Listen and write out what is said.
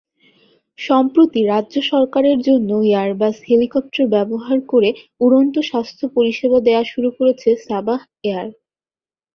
সম্প্রতি রাজ্য সরকারের জন্য এয়ারবাস হেলিকপ্টার ব্যবহার করে উড়ন্ত স্বাস্থ্য পরিষেবা দেওয়া শুরু করেছে সাবাহ এয়ার।